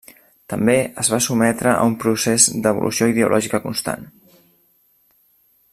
També es va sotmetre a un procés d'evolució ideològica constant.